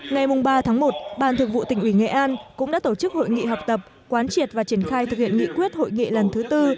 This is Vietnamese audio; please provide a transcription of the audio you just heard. ngày ba tháng một ban thường vụ tỉnh ủy nghệ an cũng đã tổ chức hội nghị học tập quán triệt và triển khai thực hiện nghị quyết hội nghị lần thứ tư